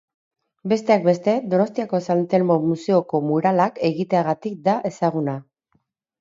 Besteak beste, Donostiako San Telmo museoko muralak egiteagatik da ezaguna.